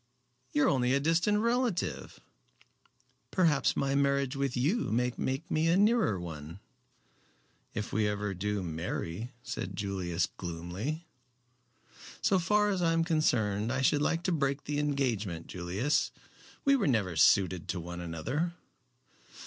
"You are only a distant relative." "Perhaps my marriage with you may make me a nearer one." "If we ever do marry," said Julius, gloomily. "So far as I am concerned I should like to break the engagement, Julius. We were never suited to one another."